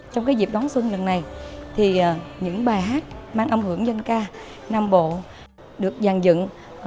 trong dịp đón xuân lần này thì những bài hát mang âm hưởng dân ca nam bộ được dàn dựng